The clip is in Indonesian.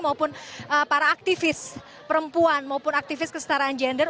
maupun para aktivis perempuan maupun aktivis kesetaraan gender